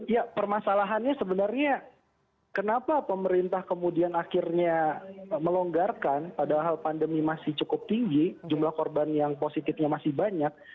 ya permasalahannya sebenarnya kenapa pemerintah kemudian akhirnya melonggarkan padahal pandemi masih cukup tinggi jumlah korban yang positifnya masih banyak